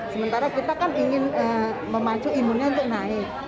sementara kita kan ingin memacu imunnya untuk naik